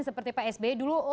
seperti pak sby dulu